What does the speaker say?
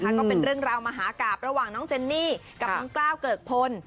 ก็เป็นเรื่องราวมหากราบระหว่างน้องเจนนี่กับน้องกล้าวเกิกพล